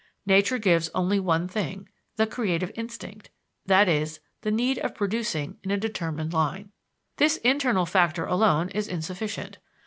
Nature gives only one thing, "the creative instinct;" that is, the need of producing in a determined line. This internal factor alone is insufficient.